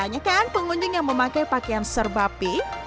banyak kan pengunjung yang memakai pakaian serba pink